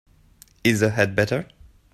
Is the head better?